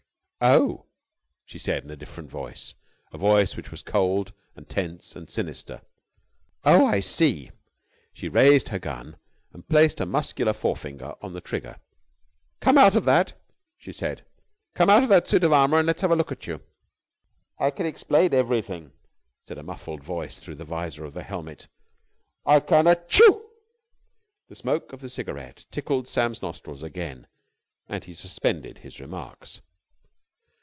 "Oh!" she said in a different voice, a voice which was cold and tense and sinister. "Oh, I see!" She raised her gun, and placed a muscular forefinger on the trigger. "Come out of that!" she said. "Come out of that suit of armour and let's have a look at you!" "I can explain everything," said a muffled voice through the vizor of the helmet. "I can achoo." The smoke of the cigarette tickled Sam's nostrils again, and he suspended his remarks.